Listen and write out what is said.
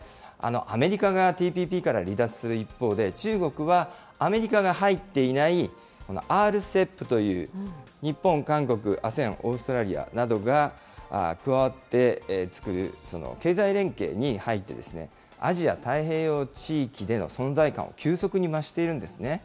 アメリカがＴＰＰから離脱する一方で、中国は、アメリカが入っていない、このＲＣＥＰという、日本、韓国、ＡＳＥＡＮ、オーストラリアなどが加わって作る経済連携に入って、アジア太平洋地域での存在感を急速に増しているんですね。